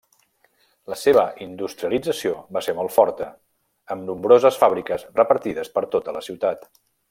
La seva industrialització va ser molt forta, amb nombroses fàbriques repartides per tota la ciutat.